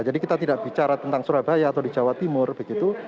jadi kita tidak bicara tentang surabaya atau di jawa timur begitu